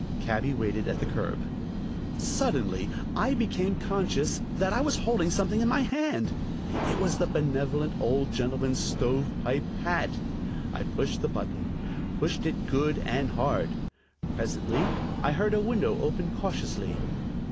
Cabby waited at the curb. Suddenly I became conscious that I was holding something in my hand. It was the benevolent old gentleman's stovepipe hat! I pushed the button: pushed it good and hard. Presently I heard a window open cautiously.